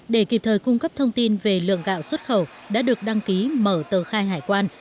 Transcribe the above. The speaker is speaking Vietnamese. để kịp thời cung cấp thông tin về lượng gạo xuất khẩu đã được đăng ký mở tờ khai hải quan